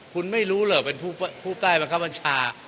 คุณไม่รู้เหรอเป็นผู้ใต้บังคับบัญชา